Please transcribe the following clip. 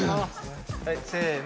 はいせの。